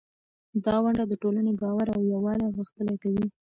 دا ونډه د ټولنې باور او یووالی غښتلی کوي.